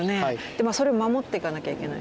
それを守っていかなきゃいけない。